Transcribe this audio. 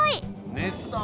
熱だ！